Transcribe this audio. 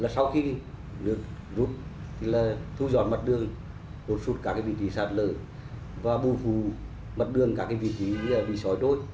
sau khi được rút thì thu dọn mặt đường hột sụt các vị trí sạt lở và bù phù mặt đường các vị trí bị xói đôi